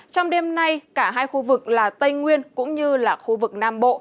trong đêm nay cả hai khu vực là tây nguyên cũng như là khu vực nam bộ